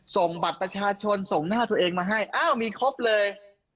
ส่งบัตรไม้ประชาชนส่งหน้าตัวเองมีครบเลย